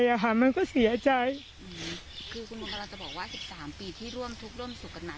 คือคุณมองกันเราจะบอกว่า๑๓ปีที่ร่วมทุกร่วมสุขกันหน่า